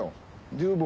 十分。